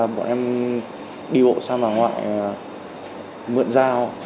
bọn em đi bộ sang bà ngoại mượn dao